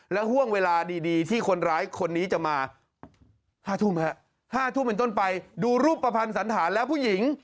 ห่วงเวลาดีที่คนร้ายคนนี้จะมา๕ทุ่ม๕ทุ่มเป็นต้นไปดูรูปประพันธ์สันฐานแล้วผู้หญิง